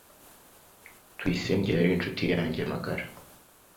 Tuyisenge yari inshuti yanjye magara.